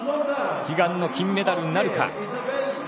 悲願の金メダルなるか。